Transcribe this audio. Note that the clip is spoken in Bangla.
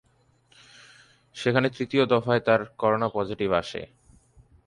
সেখানে তৃতীয় দফায় তাঁর করোনা পজিটিভ আসে।